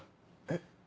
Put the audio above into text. えっ？